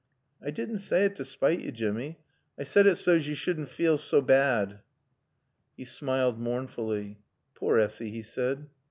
"I didn' saay it t' spite yo', Jimmy. I said it saw's yo' sudn' feel saw baad." He smiled mournfully. "Poor Essy," he said.